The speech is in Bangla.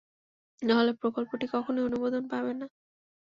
নাহলে, প্রকল্পটি কখনই অনুমোদন পাবে না।